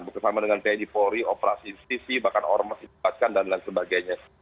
bersama dengan pid polri operasi institusi bahkan ormas yang dikepatkan dan lain sebagainya